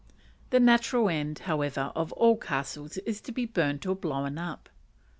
The natural end, however, of all castles is to be burnt or blown up.